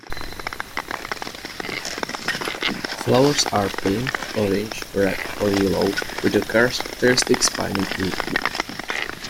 Flowers are pink, orange, red or yellow with a characteristic spiny tube.